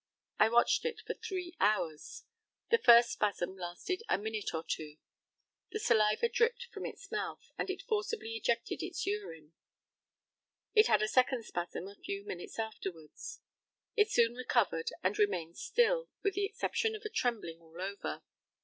I watched it for three hours. The first spasm lasted a minute or two. The saliva dripped from its mouth, and it forcibly ejected its urine. It had a second spasm a few minutes afterwards. It soon recovered and remained still, with the exception of a trembling all over.